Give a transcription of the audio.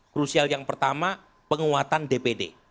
krusial yang pertama penguatan dpd